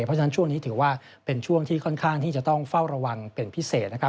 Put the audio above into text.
เพราะฉะนั้นช่วงนี้ถือว่าเป็นช่วงที่ค่อนข้างที่จะต้องเฝ้าระวังเป็นพิเศษนะครับ